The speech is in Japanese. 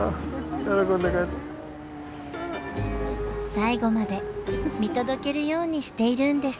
最後まで見届けるようにしているんです。